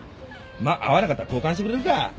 まあ合わなかったら交換してくれるか。